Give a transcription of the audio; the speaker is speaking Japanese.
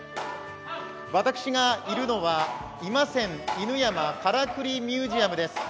私がいるのは、ＩＭＡＳＥＮ犬山からくりミュージアムです。